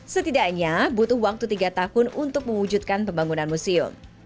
setidaknya butuh waktu tiga tahun untuk mewujudkan pembangunan museum